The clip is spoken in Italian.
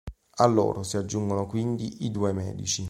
A loro si aggiungono quindi i due medici.